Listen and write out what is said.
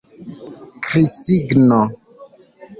Krisigno.